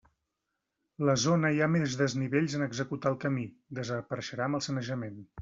La zona hi ha més desnivells en executar el camí, desapareixerà amb el sanejament.